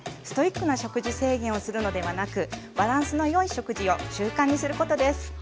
ストイックな食事制限をするのではなくバランスのよい食事を習慣にすることです。